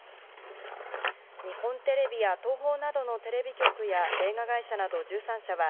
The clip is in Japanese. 日本テレビや東宝などのテレビ局や映画会社など１３社は、